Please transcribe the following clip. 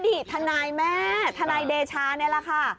ทนายแม่ทนายเดชานี่แหละค่ะ